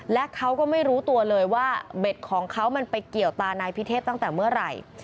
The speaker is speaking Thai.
และเขาก็ไม่รู้ตัวเลยว่าเบ็ดของเขามันไปเกี่ยวตานายพิเทพตั้งแต่เมื่อไหร่